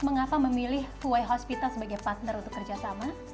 mengapa memilih kue hospital sebagai partner untuk kerjasama